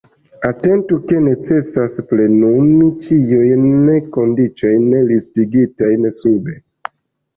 Atentu, ke necesas plenumi ĉiujn kondiĉojn listigitajn sube.